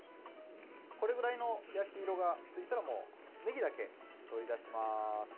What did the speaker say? これぐらいの焼き色がついたらねぎだけ取り出します。